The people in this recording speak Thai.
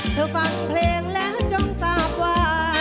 เธอฝากเพลงและจ้องทราบว่า